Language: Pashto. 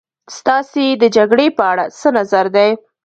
ستاسې د جګړې په اړه څه نظر دی.